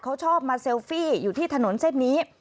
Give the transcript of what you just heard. เขาชอบมาเซลฟี่อยู่ที่ถนนเส้นนี้